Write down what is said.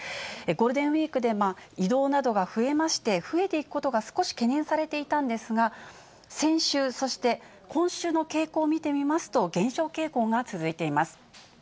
ゴールデンウィークで移動などが増えまして、増えていくことが少し懸念されていたんですが、先週、そして今週の傾向を見てみますと、減少傾向が続いています。